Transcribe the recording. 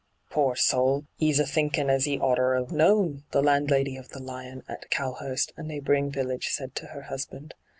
' Pore soul I 'e's a thinkin' as 'e oughter *ave known,' the landlady of the Lion at Cow hurst, a neighbouring village, said to her husband.